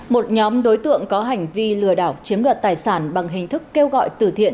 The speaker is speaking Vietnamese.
một nhóm đối tượng có hành vi lừa đảo chiếm đoạt tài sản bằng hình thức kêu gọi tử thiện